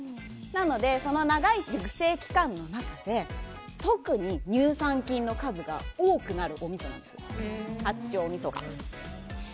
なので、長い熟成期間の中で特に乳酸菌の数が多くなるおみそなんです八丁みそが。